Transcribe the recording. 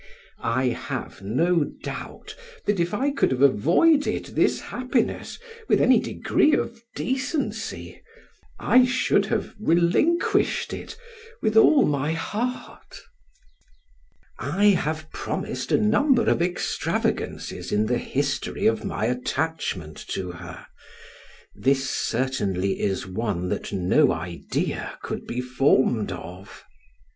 I have no doubt that if I could have avoided this happiness with any degree of decency, I should have relinquished it with all my heart. I have promised a number of extravagancies in the history of my attachment to her; this certainly is one that no idea could be formed of.